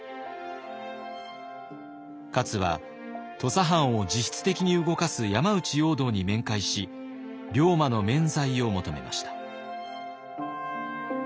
勝は土佐藩を実質的に動かす山内容堂に面会し龍馬の免罪を求めました。